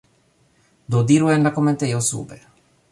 Do, diru en la komentejo sube